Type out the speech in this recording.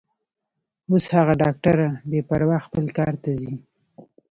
اوس هغه ډاکټره بې پروا خپل کار ته ځي.